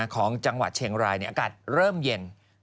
ของจังหวัดเชียงรายอากาศเริ่มเย็น